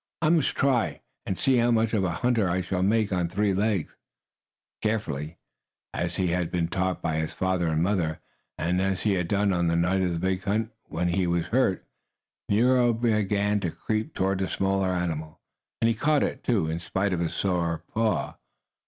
"I must try and see how much of a hunter I shall make on three legs." Carefully, as he had been taught by his father and mother, and as he had done on the night of the big hunt when he had been hurt, Nero began to creep toward the small animal. And he caught it, too, in spite of his sore paw.